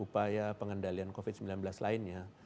upaya pengendalian covid sembilan belas lainnya